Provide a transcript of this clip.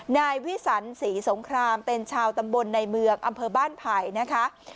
นายวิสันศรีสงครามเป็นชาวตำบลในเมืองอำเภอบ้านไผ่นะคะ